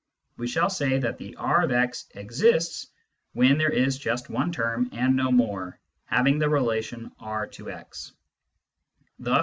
We shall say that the R of x " exists " when there is just one term, and no more, having the relation R to x.